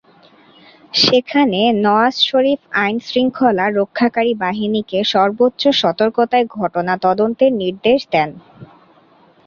সেখানে নওয়াজ শরিফ আইন–শৃঙ্খলা রক্ষাকারী বাহিনীকে সর্বোচ্চ সতর্কতায় ঘটনা তদন্তের নির্দেশ দেন।